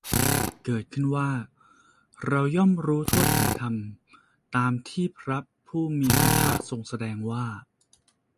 เกิดขึ้นว่า เราย่อมรู้ทั่วถึงธรรมตามที่พระผู้มีพระภาคทรงแสดงว่า